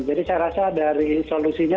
jadi saya rasa dari solusinya